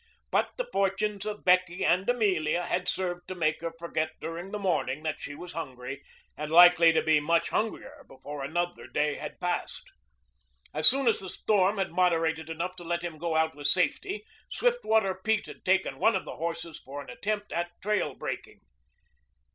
But the fortunes of Becky and Amelia had served to make her forget during the morning that she was hungry and likely to be much hungrier before another day had passed. As soon as the storm had moderated enough to let him go out with safety, Swiftwater Pete had taken one of the horses for an attempt at trail breaking.